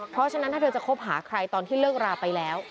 เพราะฉะนั้นถ้าเธอจะคบหาใครตอนที่เลิกราไปแล้ว